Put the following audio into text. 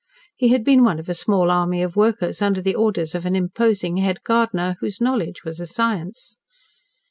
He had been one of a small army of workers under the orders of an imposing head gardener, whose knowledge was a science.